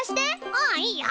うんいいよ。